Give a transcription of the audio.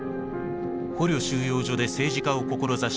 捕虜収容所で政治家を志した